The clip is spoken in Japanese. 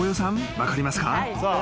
分かりますか？］